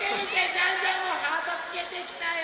ジャンジャンもハートつけてきたよ！